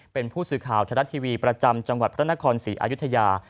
เป็นผู้สื่อข่าวทรัฐทีวีประจำจังหวัดพระนครศรีอายุทยา